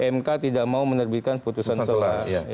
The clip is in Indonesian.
mk tidak mau menerbitkan putusan telah